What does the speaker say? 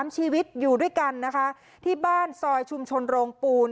ชีวิตอยู่ด้วยกันนะคะที่บ้านซอยชุมชนโรงปูน